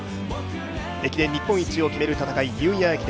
駅伝日本一を決める戦い、ニューイヤー駅伝。